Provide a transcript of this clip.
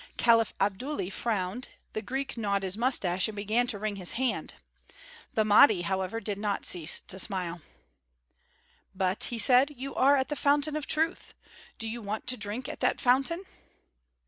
Caliph Abdullahi frowned, the Greek gnawed his mustache, and began to wring his hands. The Mahdi, however, did not cease to smile. "But," he said, "you are at the fountain of truth. Do you want to drink at that fountain?"